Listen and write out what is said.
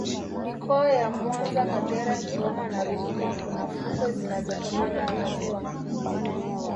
mikoa ya mwanza kagera kigoma na ruvuma Kuna fukwe zinazotokana na maziwa